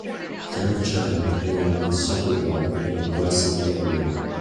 Young child playing with a soccer ball in a grassy area.